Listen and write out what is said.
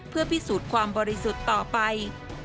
เพื่อพิสูจน์ความบริสุทธิ์ต่อไป